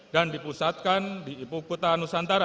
dan dipusatkan di ibu kota nusantara